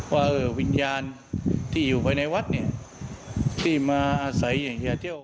ว่าวิญญาณที่อยู่ภายในวัดเนี่ยที่มาอาศัยอย่างเฮียเที่ยว